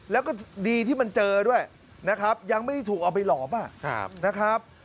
แล้วก็ดีที่มันเจอด้วยนะครับยังไม่ได้ถูกเอาไปหลอมนะครับ